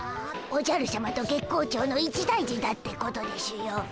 おじゃるしゃまと月光町の一大事だってことでしゅよ。